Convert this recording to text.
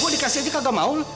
gue dikasih aja kagak mau